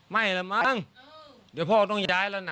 ไม่หรือมั้งพ่อต้องย้ายละนะ